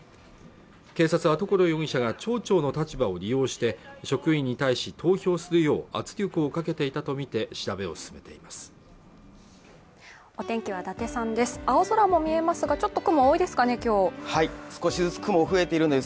警察は所容疑者が町長の立場を利用して職員に対し投票するよう圧力をかけていたとみて調べを進めています